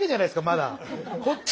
まだ。